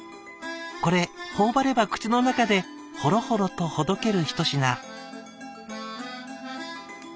これ頬張れば口の中でホロホロとほどける一品」。